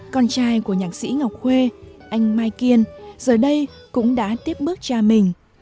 con trai của nhạc sĩ ngọc huê anh mai kiên giờ đây cũng đã tiếp bước cha mình